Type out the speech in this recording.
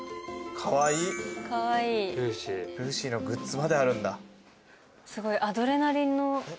カワイイルーシーのグッズまであるんだ。